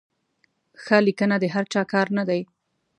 ښه لیکنه د هر چا کار نه دی.